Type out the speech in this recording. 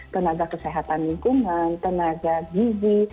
tenaga kesehatan lingkungan tenaga gizi